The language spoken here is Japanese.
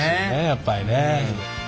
やっぱりね。